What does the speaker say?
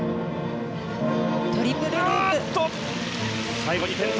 最後に転倒。